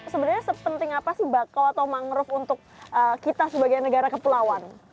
sebenarnya sepenting apa sih bakau atau mangrove untuk kita sebagai negara kepulauan